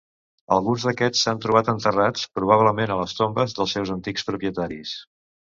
Alguns d'aquests s'han trobat enterrats, probablement a les tombes dels seus antics propietaris.